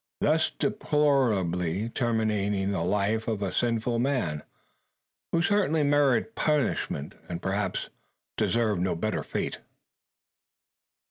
Thus deplorably terminated the life of a sinful man; who certainly merited punishment, and, perhaps deserved no better fate.